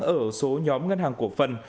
ở số nhóm ngân hàng cổ phần